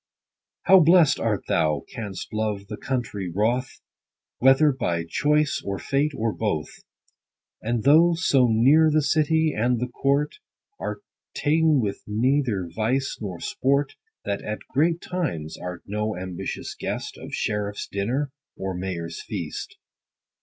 How blest art thou, canst love the country, WROTH, Whether by choice, or fate, or both ! And though so near the city, and the court, Art ta'en with neither's vice nor sport : That at great times, art no ambitious guest Of sheriff 's dinner, or mayor's feast.